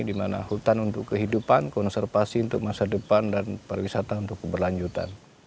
dimana hutan untuk kehidupan konservasi untuk masa depan dan perwisataan untuk berlanjutan